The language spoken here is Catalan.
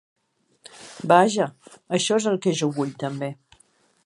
Vaja...Això és el que jo vull també.